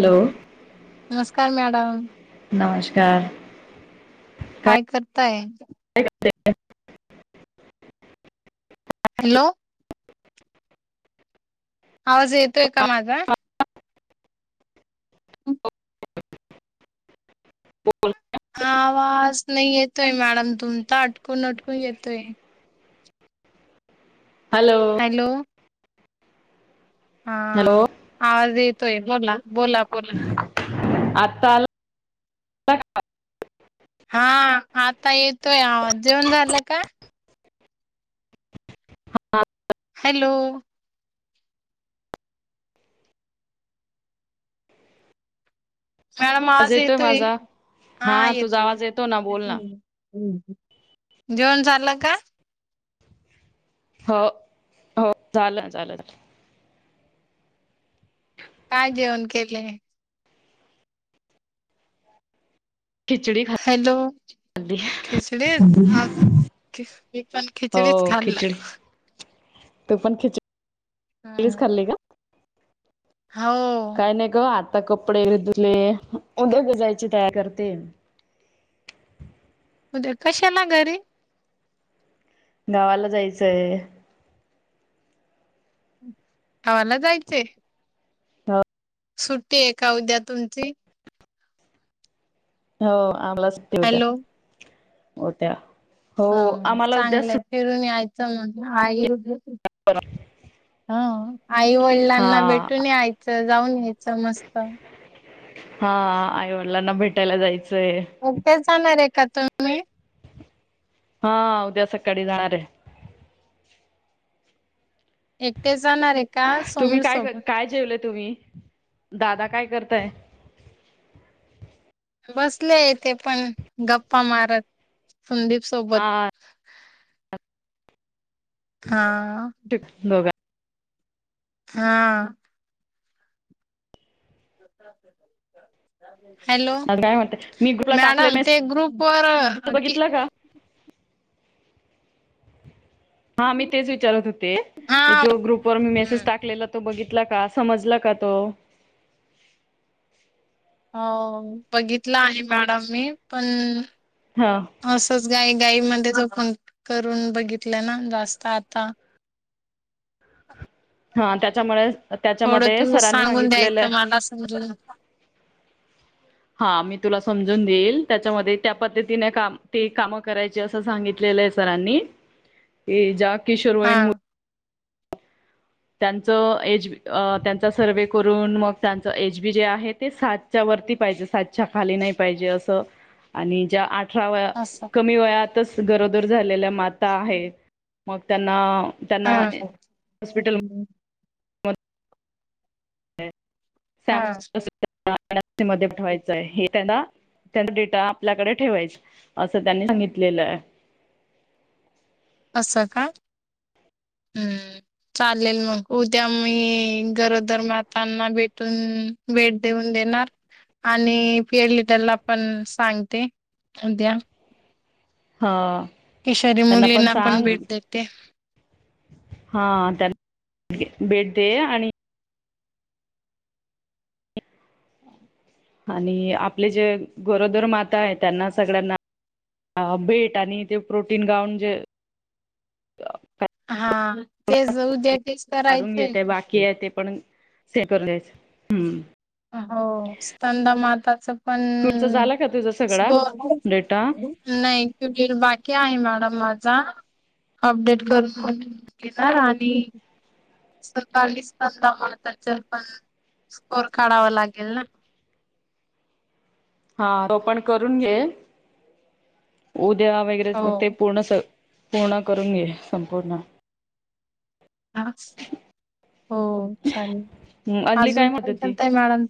Hello नमस्कार ma'am. [unintelligible] नमस्कार. काय करताय? ते [unintelligible] हॅलो! आवाज येत तोय का माझा? हं बोल आवाज, नाही येतोय मॅडम तुमचा अटकून-अटकून येतोय. हॅलो! हॅलो तोय बोलना. बोला, बोला आता [unintelligible] हा, आता येतोय आवाज. जेवण झालं का? हॅलो मॅडम, आवाज आज येतोय? माझा हा तुझा येतो. आवाज ना बोल ना जेवण झालं का? हो, हो झालं झालं झालं. काय जेवण केलय? खिचडी हॅलो, खाल्ली खिचडी? हा [unintelligible] मी पण खिचडीच खाल्लं. तु पण खिच पलीस खाल्ली का? हो काय नाई ग आता आता कपडे धुतले उदद्या जायची तयार करते हुद्या कशाला घरी गावाला जायचंय गावाला जायचे ह सुट्टी ये का उद्या तुमची हो आम्हाला सुट्टी उद्या हॅलो हो त्या हा चांगलय फिरूनया एक च म्हण आहे योग्य [inaudible] हा आई हा वडलांना भेटून यायचं जाऊन यायचं मस्त हा आईवडलांना भेटायला जायच [unintelligible] जाणाराय का तुम्ही हा उद्या सकाळी जाणारये एकटे जाणारे का तुम्ही समीर काय सोबत काय जेवले तुम्ही दादा काय करताय बसले ये तेे पण गप्पा मारत संदीप सोबत. हा हा. [unintelligible] हा. हॅलो काय म्हणते मी ग्रुपला टाकलेलं मॅडम ते नाही ग्रुप वर की बघितलं का हा मी तेच विचारत होते. हा ते जो ग्रुप वर मी मेसेज हम्म. टाकलेला तो बघीतला. तुला का समजला का तो. हो बघितलं आहे मॅडम मी पण. हा असच गाई गाई मण. पण करून बघितलं ना जास्त आता. हा त्याच्यामुळेच तर थोडं त्याच्यामध्ये तुम्ही सरांनी सांगून सांगितलेलं, द्यायचं मला समजून हा मी तुला समजून देईल त्याच्यामध्ये त्या पद्धती तिने काम ते कामं कराय जस सांगितलेलय सरांनी इइ ज्या [inaudible] हा त्यांच एज अ त्यांचा सर्वे करून मग त्यांच एज बी जे आहे ते सातच्या वरती पाहिजे सातच्या खाली नाही पाहिजे अस आणि ज्या आठ अठरा व असं कमी वयात तस गरोदर झालेल्या माता आहेत मग त्यांना हा त्यांना अअ हॉस्पिटल [inaudible] [inaudible] [inaudible] हा मध्येे ठेवायचंय हे त्यांना त्यांना डेटा आपल्याकडे ठेवायच असं त्यांनी सांगितलेलं आहे असं का हम् चालेल मग उद्या मी गरोदर मातांना भेटून भेट देऊन देणार आणि पिर लिटरला पण सांगते उद्या हाआआ केेशोरी मुलींना पण भेट देते. हा त्यांना भेट दे आणि आणि आपले जे गरोदर माता आहे त्यांना सगळ्यांना अ भेट आणि अ ते प्रोटीन गाऊून जे [inaudible] हाआआ तेच उद्या तेच काढून करायचंय. घेते बाकी आहे पण ते करून द्यायच हम्म हो स्कंदा माताच पण स्कूलचा झाला का तुझा सगळा ब डेटा? नाही क बाकी आहे ना. हा मग जा अपडेट करून घेणार आणि सकाळी स्कंदामाताच्या पण स्कर काढावं लागेल ना. हा तो पण करून घे उद्य त्या वगैरे मग ते हो पूर्ण स [inaudible] हाअ हो चालेल हम्म अंजली अजून म्हणत काय होती? करताय मॅडम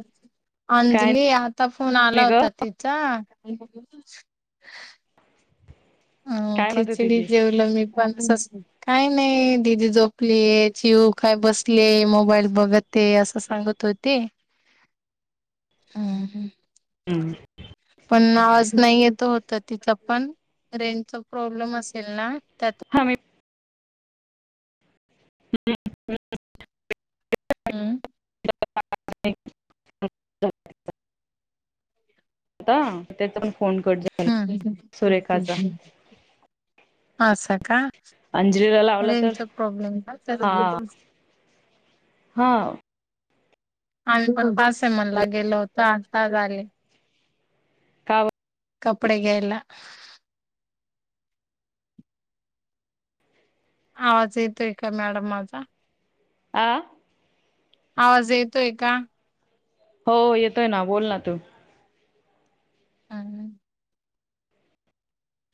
[inaudible] काय अंजली आता फोन आला नाही ग होता तिचा. [inaudible] अ काय म्हणत होती खिचडी ती? जेवलं मी पण सस काही नाही दिदी झोपली चिऊ काय बसले मोबाईल बघते असं सांगत होते हम् हम् [inaudible] पण आवाज नाही येत होता तिथ पण रेंज प्रॉब्लेम असेल ना त्यात ह म [inaudible] हम्म [inaudible] आता त्या हा हसाका अंजलीला लावला तर का तर हा आम्ही हा आणि म तास आहे म्हणला गेल होत आताज आले का कपडे घ्यायला आवाज येतोय का मॅडम माझा आ आवाज येतोय का हो येतोय ना बोल ना तू हा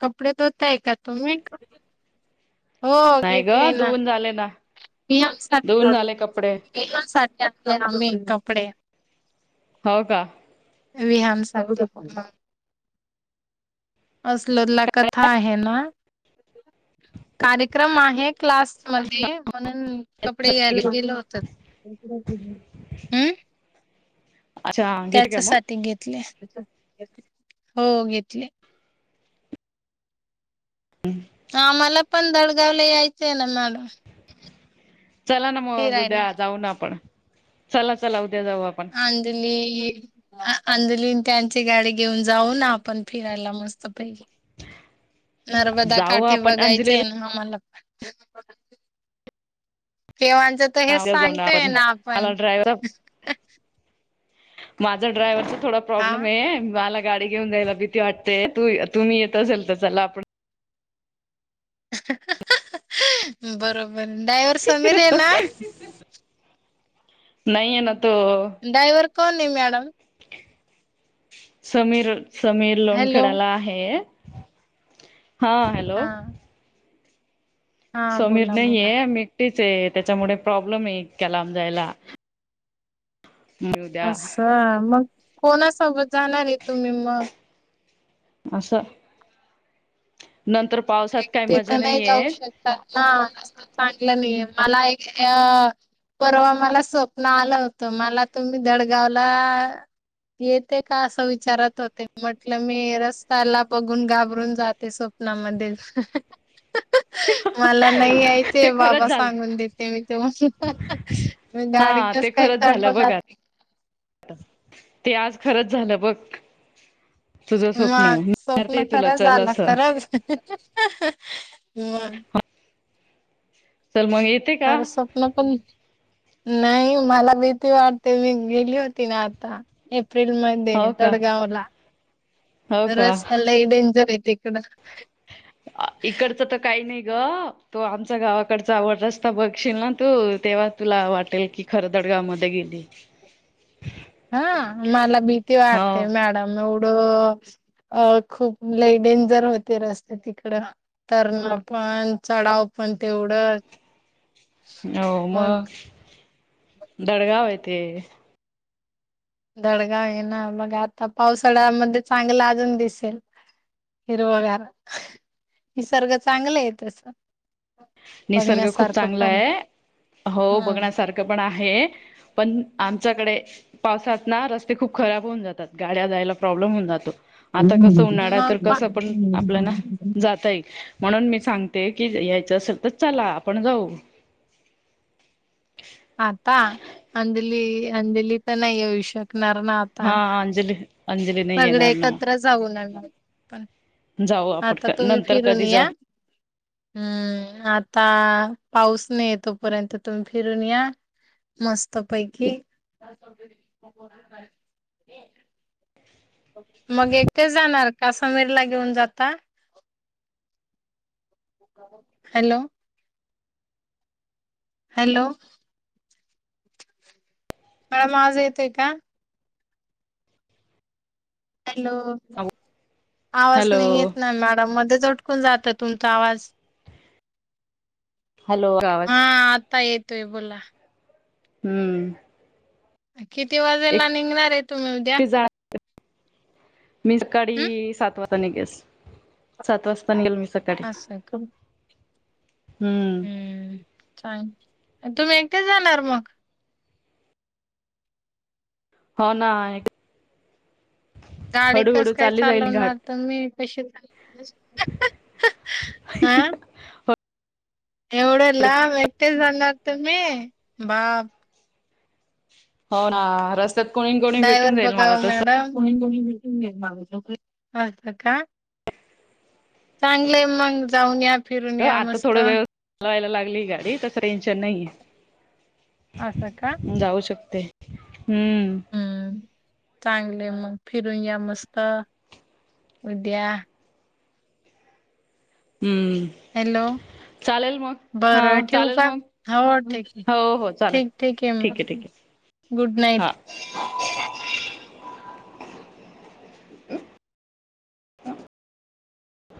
कपडे धोता आहे का तुम्ही हो नाही ग घेतले ना धुवून झाले ना. पीम सा धुवून झा झाले कपडे पम सा आम्ही इनकम पडे हो का विहान सग असल लकाथ आहे ना कार्यक्रम आहे क्लास मध्ये म्हणून कपडे घ्यायला गेल होत हम् अच्छा घेते का मग त्याच्यासाठी घेतल्या. हो घेतली. कामाला.. पण दडगावला यायच्या ना मॅडम. चला ना मग फिरायला. उद्या जाऊ ना आपण. चला. चाललं अंजली.. अंजलीन त्यांची गाडी घेऊन जाऊ आपण फिरायला मस्त. बाई. नर्मदा जाऊ काठी आपण बागायची हाय अंजलीला ना आम्हाला. [inaudible] केवांच तर हेच उद्या जाऊ सांगतय आपण ना मला आपण! ड्रायव्हर माझा ड्रायव्ह थोडा हा प्रॉब्लेम आहे. मला गाडी घेऊन जा्यायला भीती वाटतेय तू तुम्ही येत असेल तर चला आपण. बरोबर. [unintelligible] ड्रायव्हर समीर हाय ना? नाही ये बघ तं.. ड्रायव्हर कोण हाय मॅडम? समीर. समीर हॅलो लोनखड्याला आहे. हां, हॅलो. हा. हा समीर बोला बोला नाहीए. मी एकटीच आहे त्याच्यामुळे प्रॉब्लेम आहे इतक्या लांब जायला. मी उद्या अस्सा.. मग. कोणासोबत जाणार आहे तुम्ही मग? अस. एकटी तं नाय जाऊ शकत ना, तसं चांगल नाय. मला एक अ परवा मला स्वप्न आलं होतं. मला तुम्ही दडगावला येते का? असं विचारत होते म्हटलं मी रस्त्याला बघून घाबरून जात. ते स्वप्नामध्ये. रिकामा ऑडिओ मला नाही यायचे ते बाबा खरंच झालं सांगून देते मी. तुम्हांला मी हा ते गाडीतच काय खरंच झालं बघ चढणार आज नही. ते आज खरंच झालं बघ. तुझं स्वप्न मग मी विचारते स्वप्न तुला खर चल झालं असं खरं हम्म... चल मग येते का? खरं स्वप्न पण नाही मला भीती वाटते मी गेली होती ना आता ए एप्रिल मध्ये हो का दडगाव ला हो रस्ता लय डेंजरय तिकडं इकडच तर काही नाही ग तो आमच्या गावाकडचा रस्ता बघशील ना तू तेव्हा तुला वाटेल कि खरदडगा मध्ये गेली हा मला भीती हो वाटते मॅडम एवढं अ खूप लय डेंजर होते रस्ते तिकड तर पण चढाव पण तेवढंच हो मग दडगाव आहे ते दडगाव आहे ना बघ आता पावसाळ्यामध्ये चांगलं अजून दिसेल हिरवगार निसर्ग चांगले आहे तस निसर्ग खूप बघण्यासारखं चांगला पण आहे हो हम्म. बघण्यासारखं पण आहे पण आमच्याकडे पावसात ना रस्ते खूप खराब होऊन जातात गाड्या जायला प्रॉब्लेम होऊन जातो आता कसं उन्हाळा तर मग पा कसं पण आपल्याला जाता येईल म्हणून मी सांगते की त्या सर तरच ला आपण जाऊ आता अंजली अंजली तर नाही येऊ शक नार ना आता हा अंजली अंजली नाही सगळे येणार ना. एकत्र जाऊन या मग जाऊ आपण नंतर फिरून कधी या जाऊ हम्म आता पाऊस नाही य तोपर्यंत तुम्ही फिरून या मस्त पैकी मग एकटे जाणार का समीर ला घेऊन जाता हॅलो हॅलो मला आवाज येतय का हॅलो आवाज हॅलो नाही येत ना मॅडम मध्ये कोण जातोय तुमचा आवाज हॅलो आवाज हा आता येत तुम्ही बोला हम्म किती वाजेला निघणार आहेत तुम्ही उद्या एकटी जा मी हम्म सकाळी सात वाजता सात वाजता निघेल मी सकाळी. असं ख हम्म चांग तुम्ही एकटे जाणार मग होना आय गाडी कस काय चालवणार तर मी कशीचा हा एवढे लांब एकटे जाणार तूमीं मघ होना रस् त कोणी कोणी भेटून जाईल मला तस चांगले मंग जाऊन या फिरून हो या आता मस्त थोड वेळ चालवायला लागली गाडी त ट्रेन चेन्नई असं का जाऊ शक ते हम हम्म. चांगले मग फिरून या मस्त उद्या हम्म हॅलो चालेल मग हा बरं ठेव चालेल का मग हो क आहे हो हो चालेल ठीक ठीक आहे म गुड हा नाईट